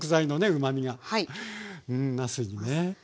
うまみがなすにね。